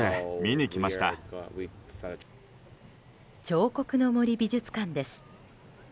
彫刻の森美術館です。